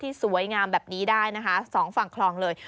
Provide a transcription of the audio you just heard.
สวยงามแบบนี้ได้นะคะสองฝั่งคลองเลย